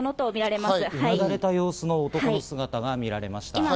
うなだれた様子の男の姿が見られました。